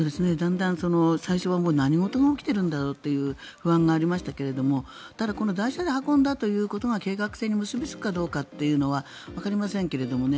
最初は何事が起きているんだろうという不安がありましたけどただ、この台車で運んだということが計画性に結びつくかどうかはわかりませんけどね。